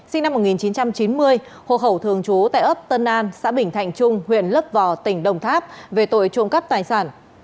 sinh năm một nghìn chín trăm chín mươi hồ khẩu thường trú tại ấp tân an xã bình thạnh trung huyện lấp vò tỉnh đồng tháp về tội trộm cắp tài sản